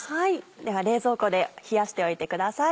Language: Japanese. では冷蔵庫で冷やしておいてください。